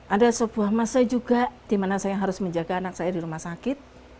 ada sebuah masa juga di mana saya harus menjaga anak saya di rumah sakit